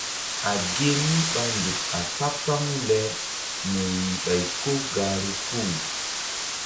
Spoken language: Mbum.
A ge mí ɓa nzuk a kpa-kpaŋu le mi yih ɓay ko gahru puh.